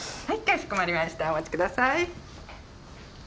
はいかしこまりましたお待ちください。